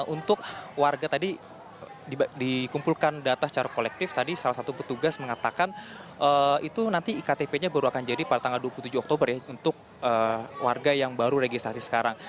untuk warga tadi dikumpulkan data secara kolektif tadi salah satu petugas mengatakan itu nanti iktp nya baru akan jadi pada tanggal dua puluh tujuh oktober ya untuk warga yang baru registrasi sekarang